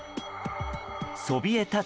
そびえたつ